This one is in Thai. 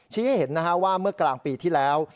ให้เห็นว่าเมื่อกลางปีที่แล้ว